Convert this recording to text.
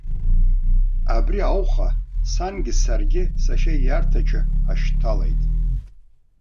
Абри ауха сангьы, саргьы сашьа ииарҭаҿы ҳашьҭалеит.